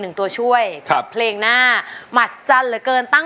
คุณยายแดงคะทำไมต้องซื้อลำโพงและเครื่องเสียง